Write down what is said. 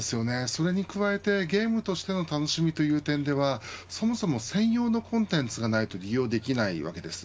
それに加えて、ゲームとしての楽しみという点ではそもそも専用のコンテンツがないと利用できないわけです。